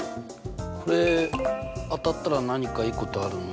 これ当たったら何かいいことあるの？